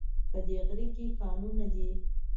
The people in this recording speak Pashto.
په دی غره کې کانونه دي